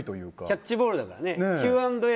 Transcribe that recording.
キャッチボールだからね。